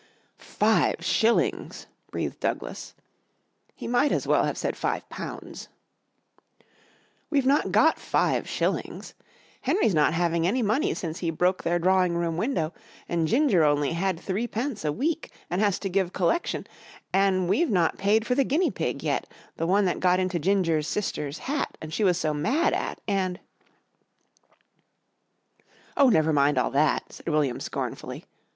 "Five shillings!" breathed Douglas. He might as well have said five pounds. "We've not got five shillings. Henry's not having any money since he broke their drawing room window an' Ginger only has 3_d._ a week an' has to give collection an' we've not paid for the guinea pig yet, the one that got into Ginger's sister's hat an' she was so mad at, an' " "Oh, never mind all that," said William, scornfully.